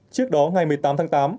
trước đó ngày một mươi tám tháng tám